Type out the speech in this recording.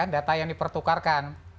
data yang dipertukarkan